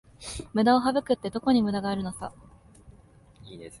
ムダを省くって、どこにムダがあるのさ